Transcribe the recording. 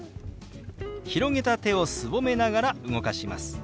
広げた手をすぼめながら動かします。